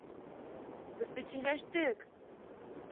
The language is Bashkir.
Беҙ бит һөйләштек...